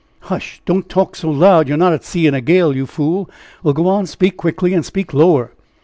"Hush! don't talk so loud. You're not at sea in a gale, you fool. Well, go on. Speak quickly and speak lower."